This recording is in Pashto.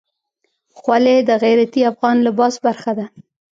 خولۍ د غیرتي افغان لباس برخه ده.